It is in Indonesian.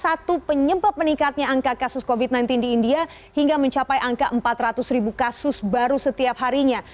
satu penyebab meningkatnya angka kasus covid sembilan belas di india hingga mencapai angka empat ratus ribu kasus baru setiap harinya